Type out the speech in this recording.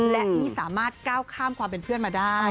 และไม่สามารถก้าวข้ามความเป็นเพื่อนมาได้